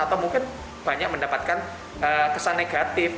atau mungkin banyak mendapatkan kesan negatif